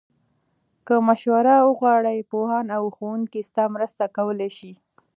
که مشوره وغواړې، پوهان او ښوونکي ستا مرسته کولای شي.